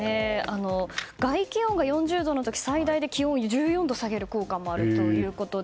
外気温が４０度の時最大で気温を１４度下げる効果があるということで。